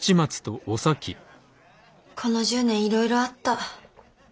この１０年いろいろあった。